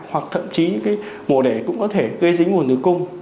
hoặc thậm chí những cái mổ đẻ cũng có thể gây dính vùng tử cung